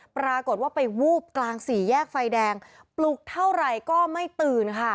ปรากฏว่าไปวูบกลางสี่แยกไฟแดงปลุกเท่าไหร่ก็ไม่ตื่นค่ะ